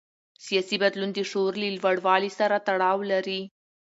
سیاسي بدلون د شعور له لوړوالي سره تړاو لري